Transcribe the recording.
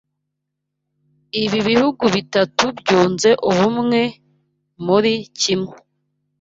Ibi bihugu bitatu byunze ubumwe muri kimwe.